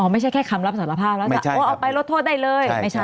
ไม่ใช่แค่คำรับสารภาพแล้วจะเอาไปลดโทษได้เลย